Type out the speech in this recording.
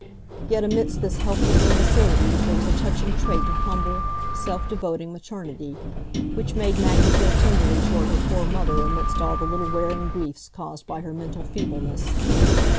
Yet amidst this helpless imbecility there was a touching trait of humble, self devoting maternity, which made Maggie feel tenderly toward her poor mother amidst all the little wearing griefs caused by her mental feebleness.